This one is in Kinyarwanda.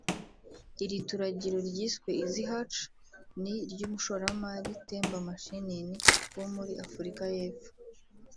Iri turagiro ryiswe “Easy hatch” ni iry’umushoramari Temba Mashinini wo muri Afurika y’Epfo